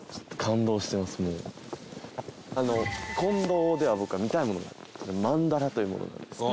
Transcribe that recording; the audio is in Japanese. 金堂では僕は見たいもの曼荼羅というものなんですけど。